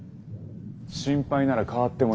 心配なら変わってもいいんだぜ？